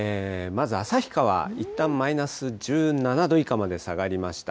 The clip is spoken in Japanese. まず旭川、いったんマイナス１７度以下まで下がりました。